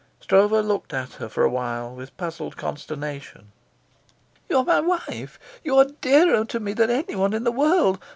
Stroeve looked at her for a while with puzzled consternation. "You are my wife; you are dearer to me than anyone in the world.